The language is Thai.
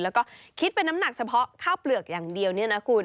แล้วก็คิดเป็นน้ำหนักเฉพาะข้าวเปลือกอย่างเดียวเนี่ยนะคุณ